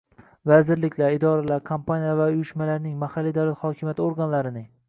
vazirliklar, idoralar, kompaniyalar va uyushmalarning, mahalliy davlat hokimiyati organlarining axborotlashtirish